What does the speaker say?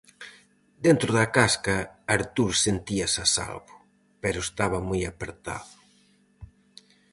Dentro da casca, Artur sentíase a salvo, pero estaba moi apertado.